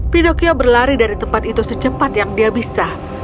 pinocchio berlari dari tempat itu secepat yang dia bisa